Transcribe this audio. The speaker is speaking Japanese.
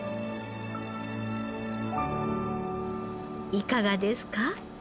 いかがですか？